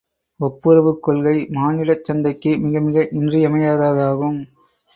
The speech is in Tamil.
ஒப்புரவுக் கொள்கை மானிடச் சந்தைக்கு மிகமிக இன்றியமையாததாகும்.